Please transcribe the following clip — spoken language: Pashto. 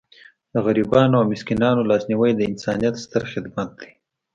د غریبانو او مسکینانو لاسنیوی د انسانیت ستر خدمت دی.